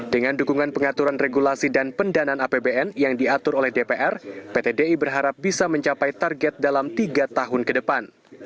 dengan dukungan pengaturan regulasi dan pendanaan apbn yang diatur oleh dpr pt di berharap bisa mencapai target dalam tiga tahun ke depan